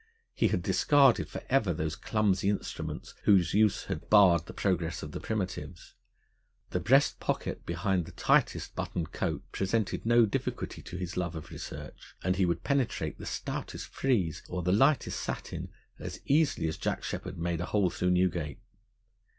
He had discarded for ever those clumsy instruments whose use had barred the progress of the Primitives. The breast pocket behind the tightest buttoned coat presented no difficulty to his love of research, and he would penetrate the stoutest frieze or the lightest satin, as easily as Jack Sheppard made a hole through Newgate.